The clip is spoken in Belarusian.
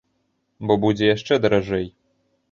Бо будзе яшчэ даражэй.